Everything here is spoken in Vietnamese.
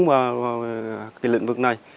vào lĩnh vực này